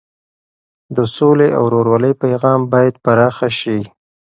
د سولې او ورورولۍ پیغام باید پراخه شي.